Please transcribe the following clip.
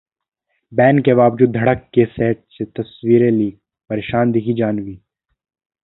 ban के बावजूद 'धड़क' के सेट से तस्वीरें लीक, परेशान दिखीं जाह्नवी